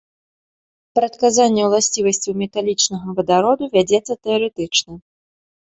Прадказанне уласцівасцяў металічнага вадароду вядзецца тэарэтычна.